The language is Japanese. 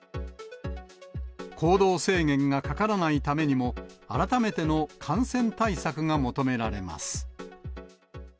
行動制限がかからないためにも、改めての感染対策が求められます。